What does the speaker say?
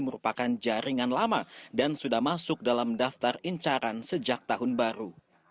merupakan jaringan lama dan sudah masuk dalam daftar incaran sejak tahun baru